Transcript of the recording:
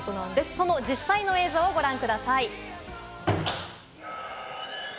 その実際の映像をご覧ください。